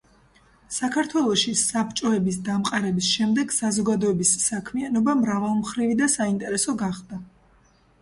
საქართველოში საბჭოების დამყარების შემდეგ საზოგადოების საქმიანობა მრავალმხრივი და საინტერესო გახდა.